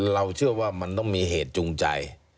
เราเชื่อว่ามันต้องมีเหตุจูงใจ